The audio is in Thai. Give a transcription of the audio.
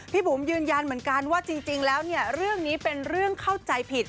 บุ๋มยืนยันเหมือนกันว่าจริงแล้วเนี่ยเรื่องนี้เป็นเรื่องเข้าใจผิด